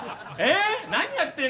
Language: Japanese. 何やってんだよ！